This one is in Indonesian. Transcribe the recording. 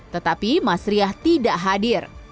tetapi mas riah tidak hadir